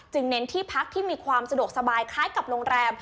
เน้นที่พักที่มีความสะดวกสบายคล้ายกับโรงแรม